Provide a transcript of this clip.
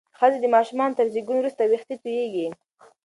ښځې د ماشومانو تر زیږون وروسته وېښتې تویېږي.